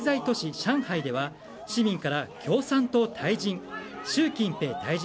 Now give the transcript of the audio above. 上海では市民から共産党退陣！